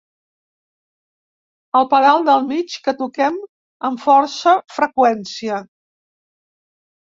El pedal del mig, que toquem amb força freqüència.